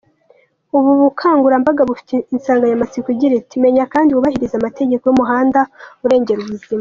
Ubu bukangurambaga bufite insanganyamatsiko igira iti “Menya kandi wubahirize amategeko y’umuhanda, urengera ubuzima.